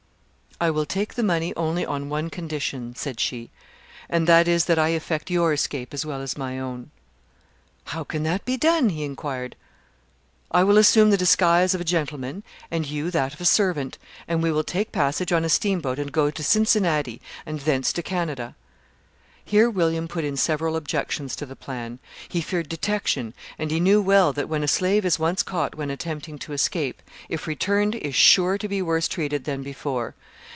"I will take the money only on one condition," said she; "and that is, that I effect your escape as well as my own." "How can that be done?" he inquired. "I will assume the disguise of a gentleman and you that of a servant, and we will take passage on a steamboat and go to Cincinnati, and thence to Canada." Here William put in several objections to the plan. He feared detection, and he well knew that, when a slave is once caught when attempting to escape, if returned is sure to be worse treated than before.